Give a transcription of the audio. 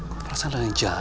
kok perasaan ada yang jahat